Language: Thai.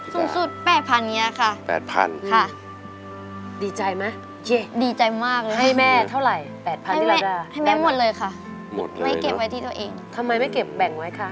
สูงสุด๘๐๐๐บาทอย่างนี้ค่ะ